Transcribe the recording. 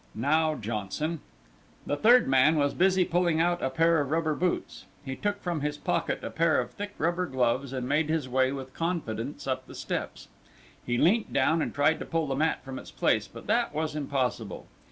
Now, Johnson." The third man was busy pulling out a pair of rubber boots; he took from his pocket a pair of thick rubber gloves, and made his way with confidence up the steps. He leant down and tried to pull the mat from its place, but that was impossible.